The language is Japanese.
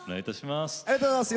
ありがとうございます。